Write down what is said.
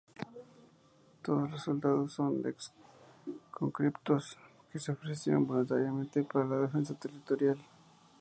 Todos los soldados son ex conscriptos que se ofrecieron voluntariamente para la Defensa Territorial.